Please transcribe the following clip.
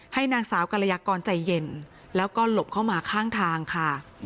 ให้นางสาวกระยักษ์ก่อนใจเย็นแล้วก็หลบเข้ามาข้างทางค่ะ